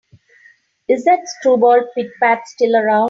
Is that screwball Pit-Pat still around?